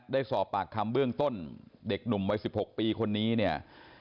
ได้สอบปากคำเบื้องต้นเด็กหนุ่มวัย๑๖ปีคนนี้เนี่ย